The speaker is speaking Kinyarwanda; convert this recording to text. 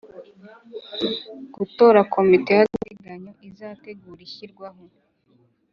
Gutora komite y agateganyo izategura ishyirwaho